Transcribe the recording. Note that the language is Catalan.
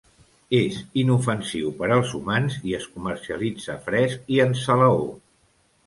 És inofensiu per als humans i es comercialitza fresc i en salaó.